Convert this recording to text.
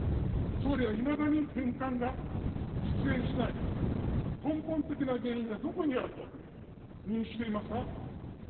総理はいまだに返還が実現しない根本的な原因がどこにあると認識していますか。